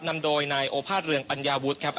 นำโดยนายโอภาษเรืองปัญญาวุฒิครับ